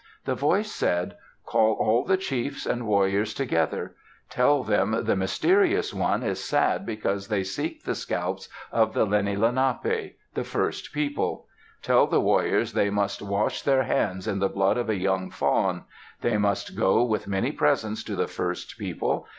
The voice said, "Call all the chiefs and warriors together. Tell them the Mysterious One is sad because they seek the scalps of the Lenni Lenapi, the First People. Tell the warriors they must wash their hands in the blood of a young fawn. They must go with many presents to the First People.